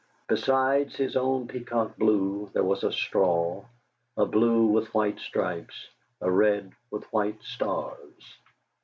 Besides his own peacock blue there was a straw, a blue with white stripes, a red with white stars.